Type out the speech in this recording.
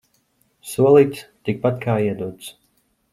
Solīts – tikpat kā iedots.